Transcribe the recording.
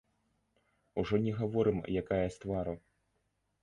Ужо не гаворым, якая з твару.